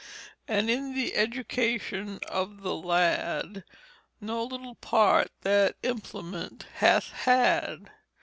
And in the education of the lad, No little part that implement hath had.